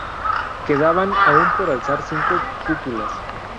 Quedaban aún por alzar cinco cúpulas.